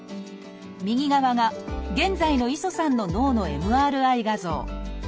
右側が現在の磯さんの脳のＭＲＩ画像。